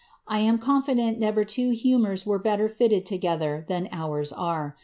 I am confident never two humours were bt'ttcr fitted tc^cther than ours are.